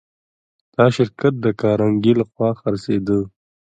دا شرکت د کارنګي لهخوا خرڅېده